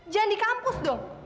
jangan di kampus dong